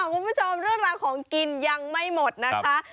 คุณผู้ชมเรื่องราวของกินยังไม่หมดนะคะ